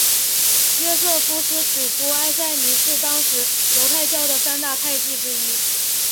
约瑟夫斯指出艾赛尼是当时犹太教的三大派系之一。